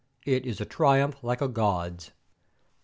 It is a triumph like a god's.